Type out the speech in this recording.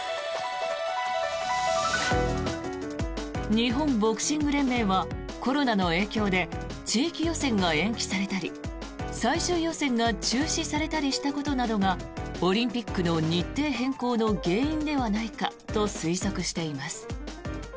日本ボクシング連盟はコロナの影響で地域予選が延期されたり最終予選が中止されたりしたことなどがオリンピックの日程変更の原因ではないかと推測しています。